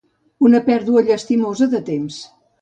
Una pèrdua llastimosa de temps.